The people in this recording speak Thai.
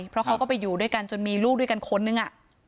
เพราะเขาก็ไปอยู่ด้วยกันจนมีลูกด้วยกันคนนึง